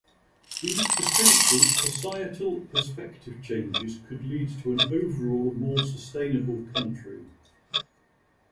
These potential societal perspective changes could lead to an overall more sustainable country.